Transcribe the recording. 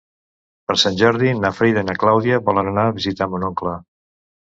Per Sant Jordi na Frida i na Clàudia volen anar a visitar mon oncle.